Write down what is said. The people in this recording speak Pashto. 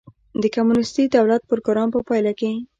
د کمونېستي دولت پروګرام په پایله کې.